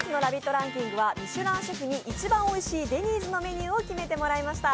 ランキングはミシュランシェフに一番おいしいデニーズのメニューを決めてもらいました。